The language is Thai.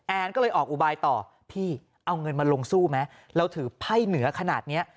ก็เลยออกอุบายต่อพี่เอาเงินมาลงสู้ไหมเราถือไพ่เหนือขนาดเนี้ย